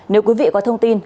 nếu quý vị có thông tin